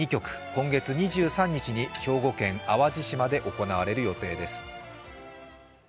今月２３日に兵庫県淡路島で行われる予定です。